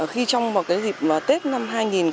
khi trong một cái dịp tết năm hai nghìn hai mươi